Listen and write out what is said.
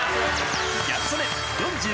ギャル曽根